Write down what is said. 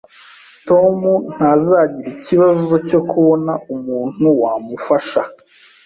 Tom ntazagira ikibazo cyo kubona umuntu wamufasha